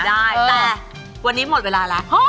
ได้แต่วันนี้หมดเวลาแล้ว